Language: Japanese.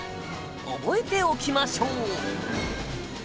覚えておきましょう。